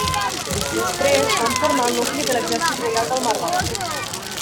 Després van formar el nucli de l'exèrcit reial del Marroc.